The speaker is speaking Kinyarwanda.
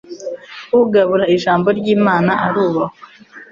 ugabura ijambo ry'imana arubahwa